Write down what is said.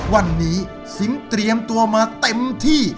วันนี้สิงห์เตรียมตัวมาเต็มที่